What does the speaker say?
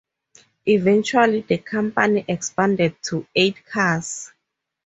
Eventually the company expanded to eight cars.